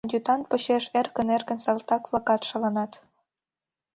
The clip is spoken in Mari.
Адъютант почеш эркын-эркын салтак-влакат шаланат.